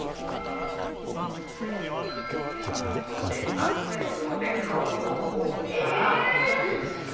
厚めの布で顔ごと覆ったら。